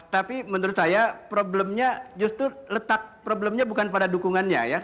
tapi menurut saya problemnya justru letak problemnya bukan pada dukungannya ya